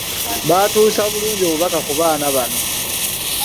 Batuusa bulungi obubaka ku baana bano.